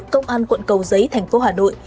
công an quận cầu giấy thành phố hà nội